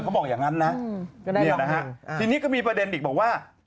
บอกอย่างนั้นนะเนี่ยนะฮะทีนี้ก็มีประเด็นอีกบอกว่า